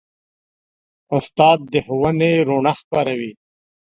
استاد د ښوونې رڼا خپروي.